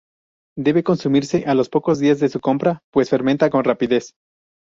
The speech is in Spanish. Debe consumirse a los pocos días de su compra, pues fermenta con rapidez.